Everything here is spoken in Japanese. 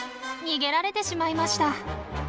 逃げられてしまいました。